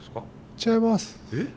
違います。